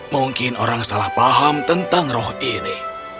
mungkin orang salah paham tentang roh ini